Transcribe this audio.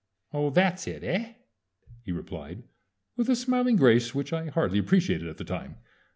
"Oh, that's it, eh?" he replied, with a smiling grace which I hardly appreciated at the time.